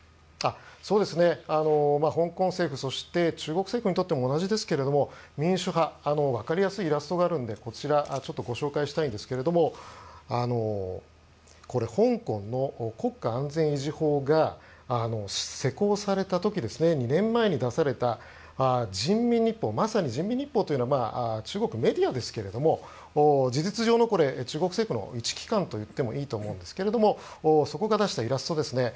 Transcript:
香港政府中国政府にとっても同じですけれども、民主派分かりやすいイラストがあるのでこちら、ご紹介したいんですが香港の国家安全維持法が施行された時２年前に出された人民日報まさに人民日報というのは中国メディアですが事実上の中国政府の一機関といってもいいと思いますがそこが出したイラストです。